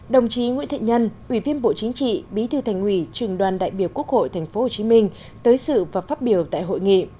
đồng chí nguyễn thị nhân ủy viên bộ chính trị bí thư thành ủy trường đoàn đại biểu quốc hội tp hcm tới sự và phát biểu tại hội nghị